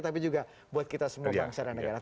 tapi juga buat kita semua orang seorang negara